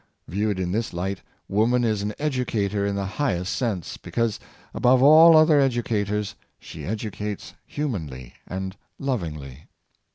Viewed in this light, woman is an educator in the high est sense, because, above all other educators, she edu cates humanly and lovingly.